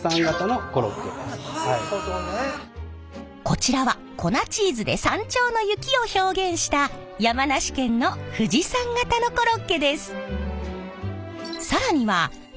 こちらは粉チーズで山頂の雪を表現した山梨県の富士山型のコロッケです。